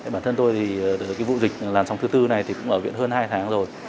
bản thân tôi thì cái vụ dịch làn sóng thứ tư này thì cũng ở viện hơn hai tháng rồi